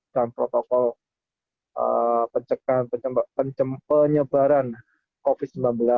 dan protokol pencegahan penyebaran covid sembilan belas